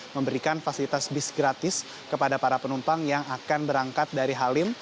memberikan fasilitas bis gratis kepada para penumpang yang akan berangkat dari halim